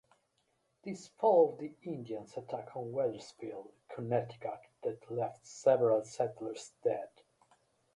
This followed the Indians' attack on Wethersfield, Connecticut that left several settlers dead.